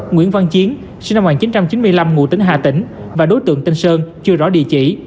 nguyễn văn chiến sinh năm một nghìn chín trăm chín mươi năm ngụ tính hà tĩnh và đối tượng tên sơn chưa rõ địa chỉ